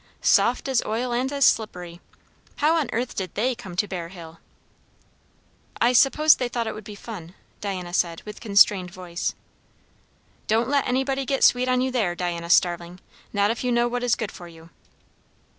Soft as oil, and as slippery. How on earth did they come to Bear Hill?" "I suppose they thought it would be fun," Diana said with constrained voice. "Don't let anybody get sweet on you there, Diana Starling; not if you know what is good for you."